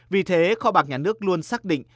vì thế kho bạc nhà nước luôn xác định